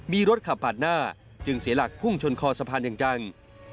มีรถขับปากหน้าจึงเสียหลักพุ่งชนคอสะพานอย่างจัง